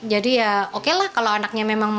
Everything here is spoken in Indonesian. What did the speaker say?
jadi ya oke lah kalau anaknya memang mau